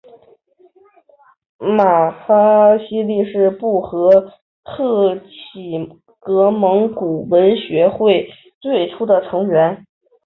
玛哈希力是布和贺喜格蒙古文学会最初的成员。